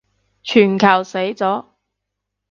全球死咗